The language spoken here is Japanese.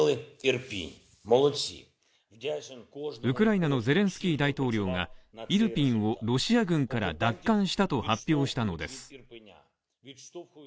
ウクライナのゼレンスキー大統領がイルピンをロシア軍から奪還したと発表したのです。